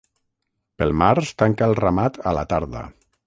Pel març tanca el ramat a la tarda.